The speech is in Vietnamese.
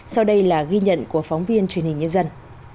sau đây là ghi nhận của phóng viên truyền hình nhân dân